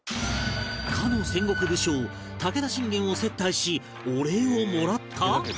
かの戦国武将武田信玄を接待しお礼をもらった？